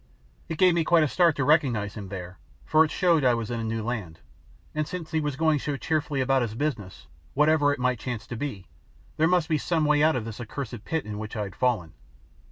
It gave me quite a start to recognise him there, for it showed I was in a new land, and since he was going so cheerfully about his business, whatever it might chance to be, there must be some way out of this accursed pit in which I had fallen.